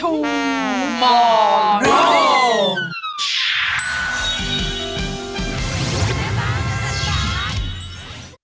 โทมอโรม